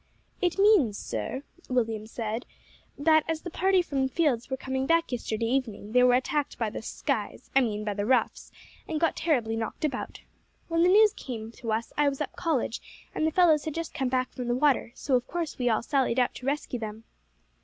"It means, sir," Williams said, "that as the party from fields were coming back yesterday evening, they were attacked by the 'skies,' I mean by the roughs and got terribly knocked about. When the news came to us I was up College, and the fellows had just come back from the water, so of course we all sallied out to rescue them."